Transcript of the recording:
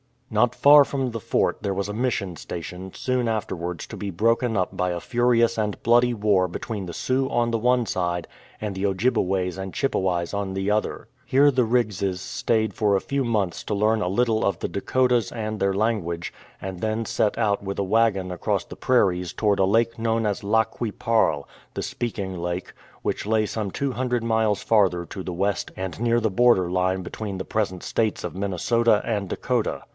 Not far from the Fort there was a Mission station, soon afterwards to be broken up by a furious and bloody war between the Sioux on the one side and the Ojjibeways and Chippeways on the other. Here the Riggses stayed for a few months to learn a little of the Dakotas and their language, and then set out with a waggon across the prairies towards a lake known as Lac qui parle, "The Speaking Lake,'' which lay some 200 miles farther to the west and near the border line between the present States of Minnesota and Dakota.